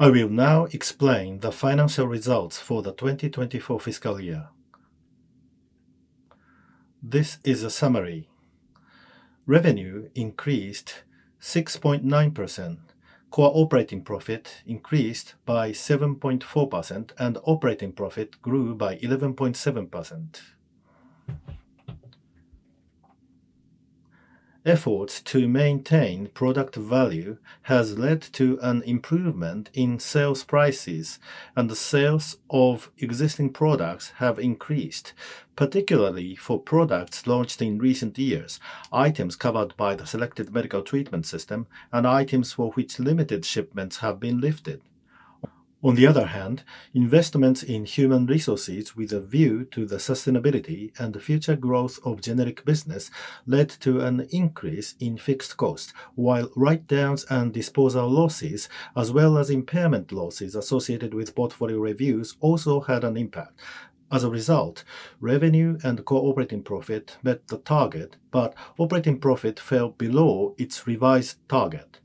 I will now explain the financial results for the FY 2024. This is a summary. Revenue increased 6.9%, core operating profit increased by 7.4%, and operating profit grew by 11.7%. Efforts to maintain product value has led to an improvement in sales prices, and the sales of existing products have increased, particularly for products launched in recent years, items covered by the selective medical treatment system, and items for which limited shipments have been lifted. On the other hand, investments in human resources with a view to the sustainability and future growth of generic business led to an increase in fixed costs, while write-downs and disposal losses, as well as impairment losses associated with portfolio reviews, also had an impact. As a result, revenue and core operating profit met the target. Operating profit fell below its revised target.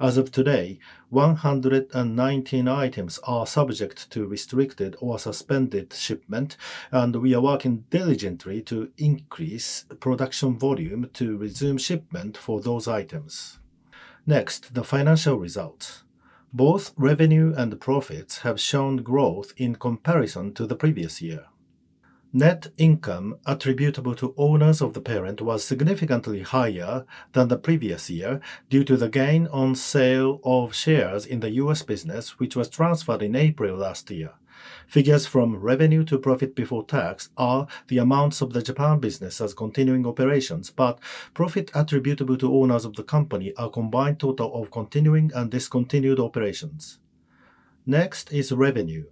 As of today, 119 items are subject to restricted or suspended shipment, and we are working diligently to increase production volume to resume shipment for those items. Next, the financial results. Both revenue and profits have shown growth in comparison to the previous year. Net income attributable to owners of the parent was significantly higher than the previous year due to the gain on sale of shares in the U.S. business, which was transferred in April last year. Figures from revenue to profit before tax are the amounts of the Japan business as continuing operations, but profit attributable to owners of the company, a combined total of continuing and discontinued operations. Next is revenue.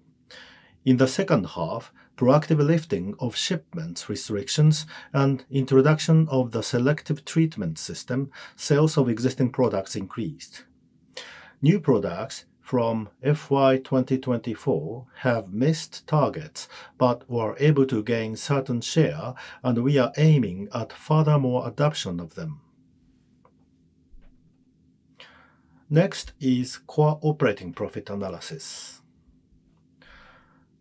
In the second half, proactive lifting of shipments restrictions and introduction of the selective medical treatment system, sales of existing products increased. New products from FY 2024 have missed targets but were able to gain certain share, and we are aiming at further more adoption of them. Next is core operating profit analysis.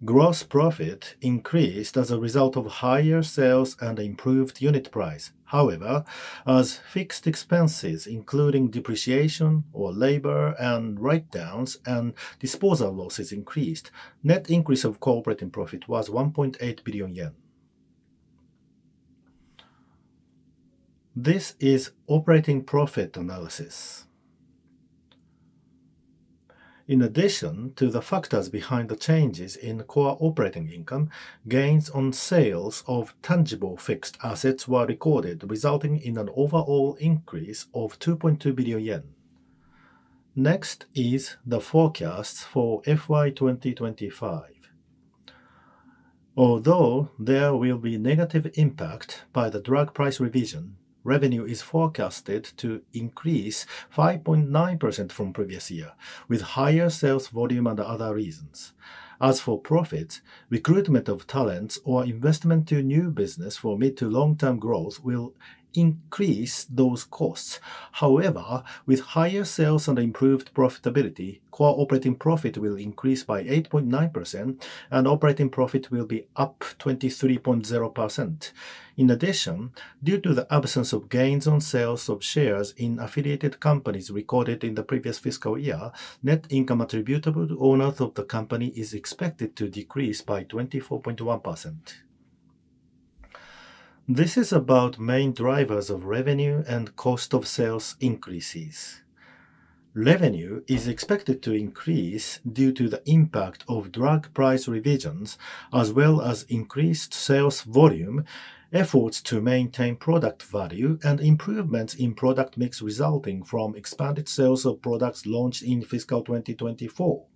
Gross profit increased as a result of higher sales and improved unit price. However, as fixed expenses, including depreciation or labor and write-downs and disposal losses increased, net increase of core operating profit was 1.8 billion yen. This is operating profit analysis. In addition to the factors behind the changes in core operating income, gains on sales of tangible fixed assets were recorded, resulting in an overall increase of 2.2 billion yen. Next is the forecasts for FY 2025. Although there will be negative impact by the drug price revision, revenue is forecasted to increase 5.9% from previous year, with higher sales volume and other reasons. As for profits, recruitment of talents or investment to new business for mid- to long-term growth will increase those costs. However, with higher sales and improved profitability, core operating profit will increase by 8.9% and operating profit will be up 23.0%. In addition, due to the absence of gains on sales of shares in affiliated companies recorded in the previous fiscal year, net income attributable to owners of the company is expected to decrease by 24.1%. This is about main drivers of revenue and cost of sales increases. Revenue is expected to increase due to the impact of drug price revisions, as well as increased sales volume, efforts to maintain product value, and improvements in product mix resulting from expanded sales of products launched in FY 2024.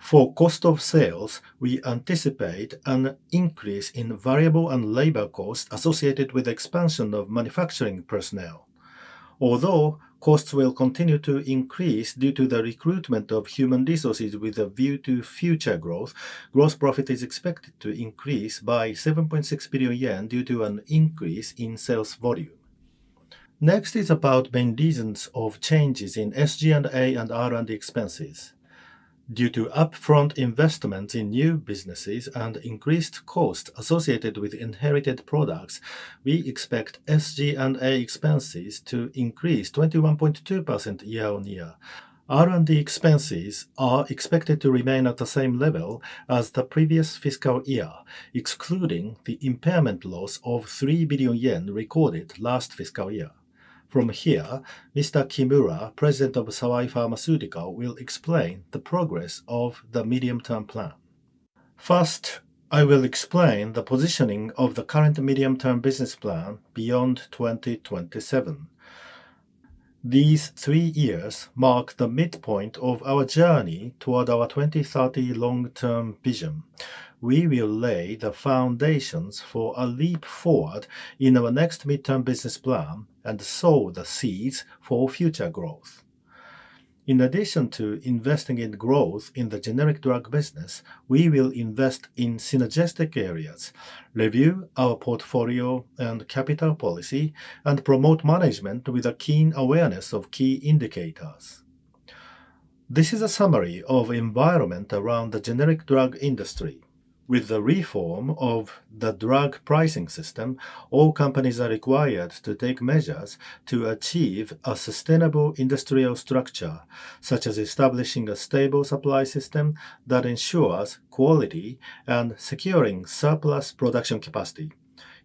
For cost of sales, we anticipate an increase in variable and labor costs associated with expansion of manufacturing personnel. Although costs will continue to increase due to the recruitment of human resources with a view to future growth, gross profit is expected to increase by 7.6 billion yen due to an increase in sales volume. Next is about main reasons of changes in SG&A and R&D expenses. Due to upfront investments in new businesses and increased costs associated with inherited products, we expect SG&A expenses to increase 21.2% year-on-year. R&D expenses are expected to remain at the same level as the previous fiscal year, excluding the impairment loss of 3 billion yen recorded last fiscal year. From here, Mr. Kimura, President of Sawai Pharmaceutical, will explain the progress of the medium-term plan. First, I will explain the positioning of the current medium-term business plan beyond 2027. These three years mark the midpoint of our journey toward our 2030 long-term vision. We will lay the foundations for a leap forward in our next mid-term business plan and sow the seeds for future growth. In addition to investing in growth in the generic drug business, we will invest in synergistic areas, review our portfolio and capital policy, and promote management with a keen awareness of key indicators. This is a summary of environment around the generic drug industry. With the reform of the drug pricing system, all companies are required to take measures to achieve a sustainable industrial structure, such as establishing a stable supply system that ensures quality and securing surplus production capacity.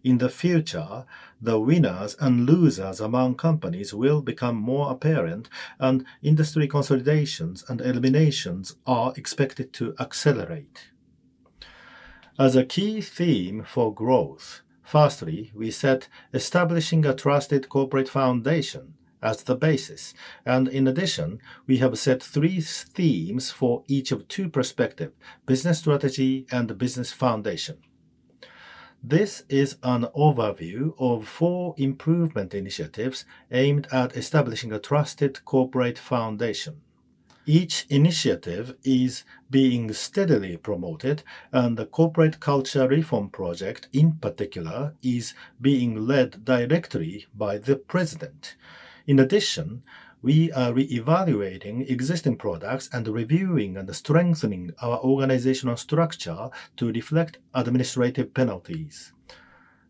In the future, the winners and losers among companies will become more apparent and industry consolidations and eliminations are expected to accelerate. As a key theme for growth, firstly, we set establishing a trusted corporate foundation as the basis. In addition, we have set three themes for each of two perspective: business strategy and business foundation. This is an overview of four improvement initiatives aimed at establishing a trusted corporate foundation. Each initiative is being steadily promoted. The corporate culture reform project, in particular, is being led directly by the president. In addition, we are reevaluating existing products and reviewing and strengthening our organizational structure to reflect administrative penalties.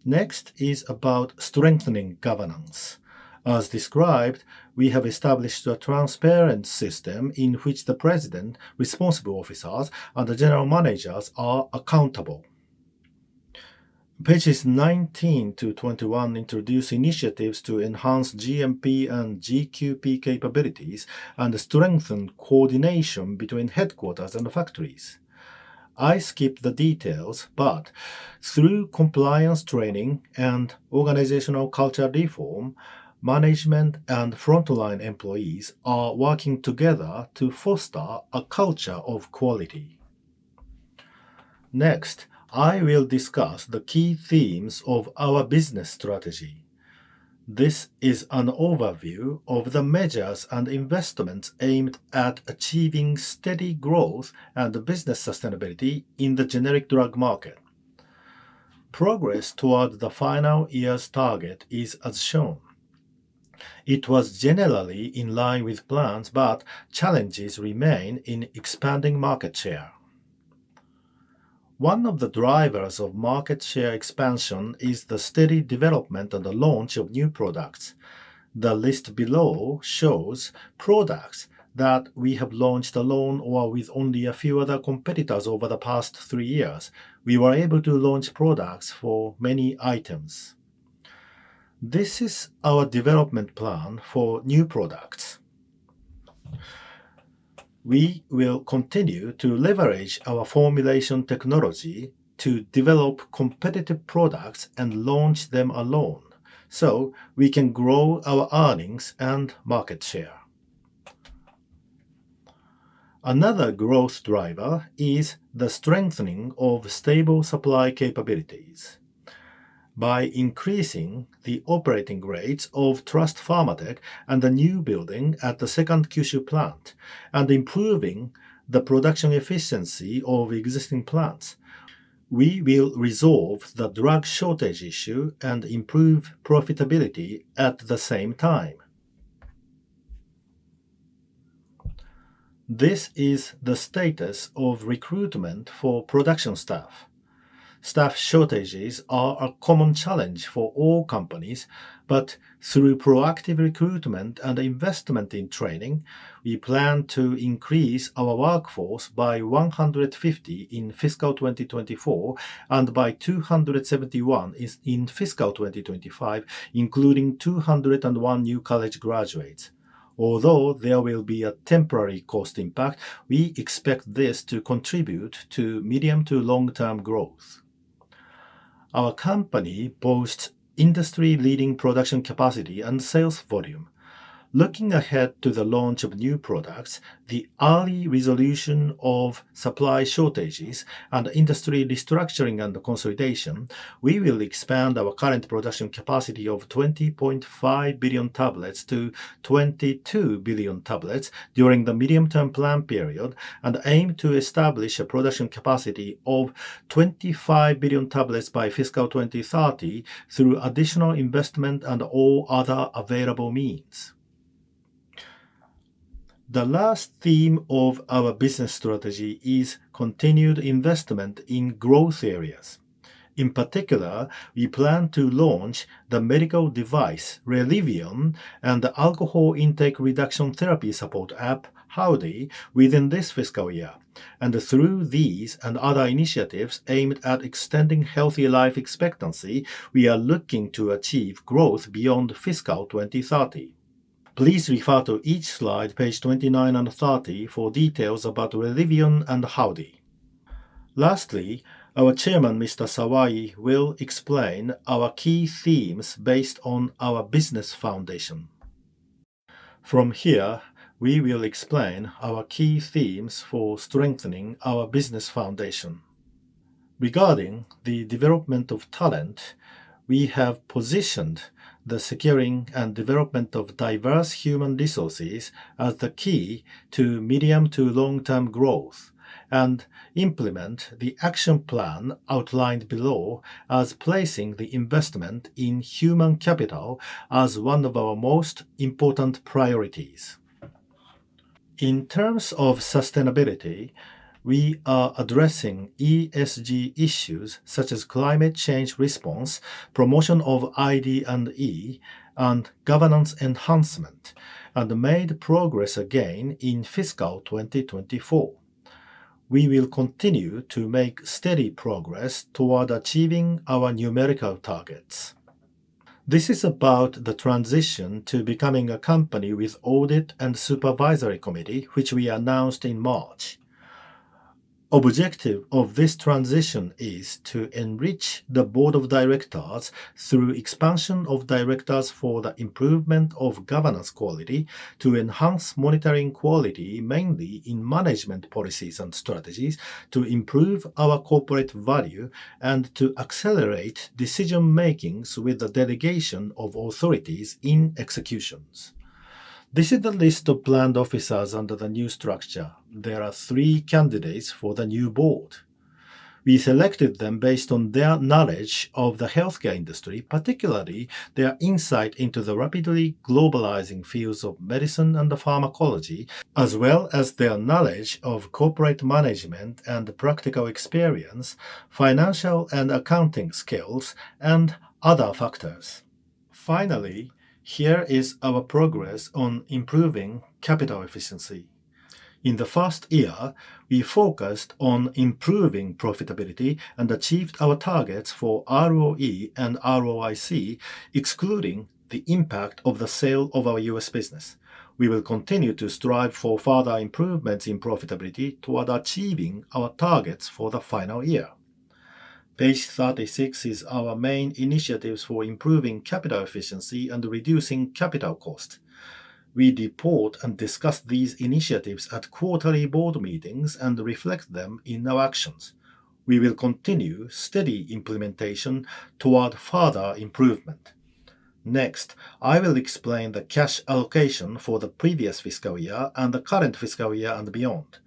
Next is about strengthening governance. As described, we have established a transparent system in which the president, responsible officers, and the general managers are accountable. Pages 19 to 21 introduce initiatives to enhance GMP and GQP capabilities and strengthen coordination between headquarters and factories. I skip the details, through compliance training and organizational culture reform, management and frontline employees are working together to foster a culture of quality. Next, I will discuss the key themes of our business strategy. This is an overview of the measures and investments aimed at achieving steady growth and business sustainability in the generic drug market. Progress toward the final year's target is as shown. It was generally in line with plans, challenges remain in expanding market share. One of the drivers of market share expansion is the steady development and the launch of new products. The list below shows products that we have launched alone or with only a few other competitors over the past three years. We were able to launch products for many items. This is our development plan for new products. We will continue to leverage our formulation technology to develop competitive products and launch them alone, so we can grow our earnings and market share. Another growth driver is the strengthening of stable supply capabilities. By increasing the operating rates of Trust Pharmatech and the new building at the second Kyushu plant, and improving the production efficiency of existing plants, we will resolve the drug shortage issue and improve profitability at the same time. This is the status of recruitment for production staff. Staff shortages are a common challenge for all companies, but through proactive recruitment and investment in training, we plan to increase our workforce by 150 in fiscal 2024 and by 271 in fiscal 2025, including 201 new college graduates. Although there will be a temporary cost impact, we expect this to contribute to medium to long-term growth. Our company boasts industry-leading production capacity and sales volume. Looking ahead to the launch of new products, the early resolution of supply shortages, and industry restructuring and consolidation, we will expand our current production capacity of 20.5 billion tablets to 22 billion tablets during the medium-term plan period and aim to establish a production capacity of 25 billion tablets by fiscal 2030 through additional investment and all other available means. The last theme of our business strategy is continued investment in growth areas. In particular, we plan to launch the medical device, Relivion, and the alcohol intake reduction therapy support app, HAUDY, within this fiscal year. Through these and other initiatives aimed at extending healthy life expectancy, we are looking to achieve growth beyond fiscal 2030. Please refer to each slide, page 29 and 30, for details about Relivion and HAUDY. Lastly, our chairman, Mr. Sawai, will explain our key themes based on our business foundation. From here, we will explain our key themes for strengthening our business foundation. Regarding the development of talent, we have positioned the securing and development of diverse human resources as the key to medium to long-term growth and implement the action plan outlined below as placing the investment in human capital as one of our most important priorities. In terms of sustainability, we are addressing ESG issues such as climate change response, promotion of ID&E, and governance enhancement, and made progress again in fiscal 2024. We will continue to make steady progress toward achieving our numerical targets. This is about the transition to becoming a company with an Audit and Supervisory Committee, which we announced in March. Objective of this transition is to enrich the board of directors through expansion of directors for the improvement of governance quality, to enhance monitoring quality, mainly in management policies and strategies, to improve our corporate value, and to accelerate decision-makings with the delegation of authorities in executions. This is the list of planned officers under the new structure. There are three candidates for the new board. We selected them based on their knowledge of the healthcare industry, particularly their insight into the rapidly globalizing fields of medicine and the pharmacology, as well as their knowledge of corporate management and practical experience, financial and accounting skills, and other factors. Finally, here is our progress on improving capital efficiency. In the first year, we focused on improving profitability and achieved our targets for ROE and ROIC, excluding the impact of the sale of our U.S. business. We will continue to strive for further improvements in profitability toward achieving our targets for the final year. Page 36 is our main initiatives for improving capital efficiency and reducing capital cost. We report and discuss these initiatives at quarterly board meetings and reflect them in our actions. We will continue steady implementation toward further improvement. Next, I will explain the cash allocation for the previous fiscal year and the current fiscal year and beyond.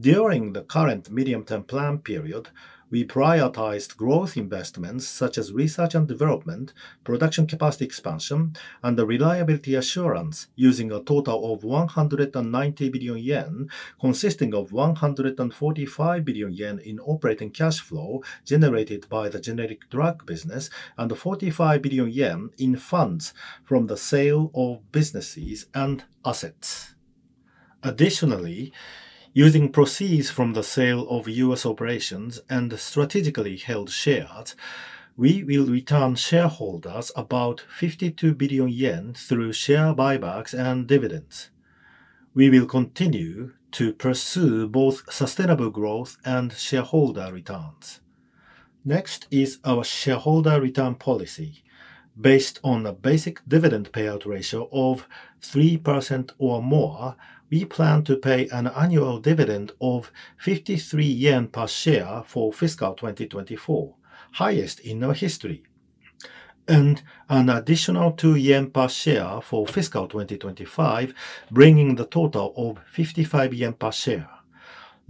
During the current medium-term plan period, we prioritized growth investments such as research and development, production capacity expansion, and the reliability assurance using a total of 190 billion yen, consisting of 145 billion yen in operating cash flow generated by the generic drug business and 45 billion yen in funds from the sale of businesses and assets. Additionally, using proceeds from the sale of U.S. operations and strategically held shares, we will return shareholders about 52 billion yen through share buybacks and dividends. We will continue to pursue both sustainable growth and shareholder returns. Next is our shareholder return policy. Based on a basic dividend payout ratio of 3% or more, we plan to pay an annual dividend of 53 yen per share for fiscal 2024, highest in our history. And an additional 2 yen per share for fiscal 2025, bringing the total of 55 yen per share.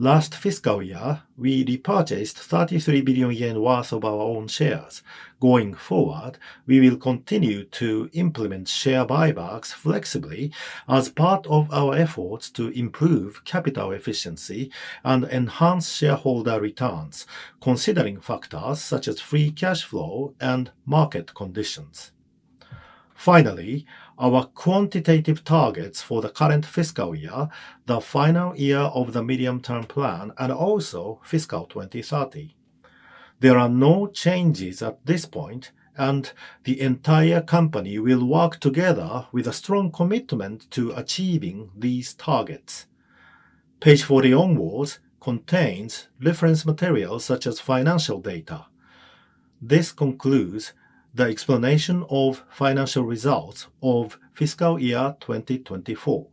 Last fiscal year, we repurchased 33 billion yen worth of our own shares. Going forward, we will continue to implement share buybacks flexibly as part of our efforts to improve capital efficiency and enhance shareholder returns, considering factors such as free cash flow and market conditions. Finally, our quantitative targets for the current fiscal year, the final year of the medium-term plan, and also fiscal 2030. There are no changes at this point, and the entire company will work together with a strong commitment to achieving these targets. Page 40 onwards contains reference materials such as financial data. This concludes the explanation of financial results of fiscal year 2024.